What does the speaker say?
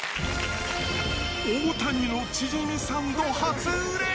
大谷のチヂミサンド初売れ。